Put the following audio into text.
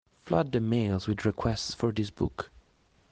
Flood the mails with requests for this book.